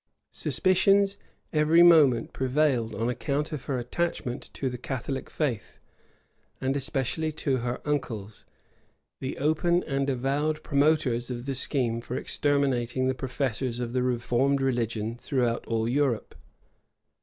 Suspicions every moment prevailed on account of her attachment to the Catholic faith, and especially to her uncles, the open and avowed promoters of the scheme for exterminating the professors of the reformed religion throughout all Europe.